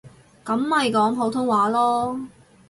噉咪講普通話囉